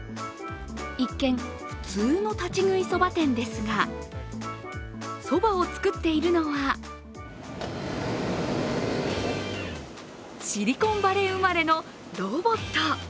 一見、普通の立ち食いそば店ですが、そばを作っているのはシリコンバレー生まれのロボット。